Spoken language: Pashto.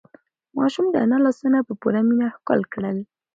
ماشوم د انا لاسونه په پوره مینه ښکل کړل.